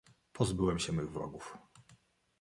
"Pozbyłem się mych wrogów."